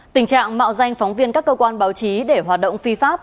tình trạng mạo danh phóng viên các cơ quan báo chí để hoạt động phi pháp